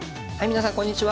皆さんこんにちは。